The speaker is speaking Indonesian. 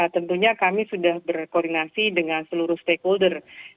tentunya kami sudah berkoordinasi dengan seluruh stakeholder